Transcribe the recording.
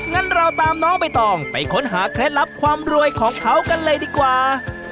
งั้นเราตามน้องใบตองไปค้นหาเคล็ดลับความรวยของเขากันเลยดีกว่า